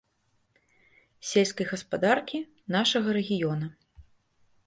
Сельскай гаспадаркі, нашага рэгіёна.